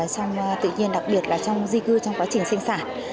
trong tự nhiên đặc biệt là trong di cư trong quá trình sinh sản